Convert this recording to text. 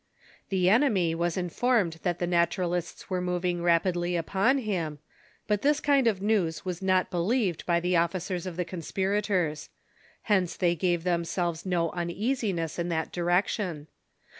The enemy was informed that the iSTatui alists were mov ing rapidly upon him, but this kind of news was not be lieved by the officers of the conspirators ; hence they gave themselves no uneasiness in that direction.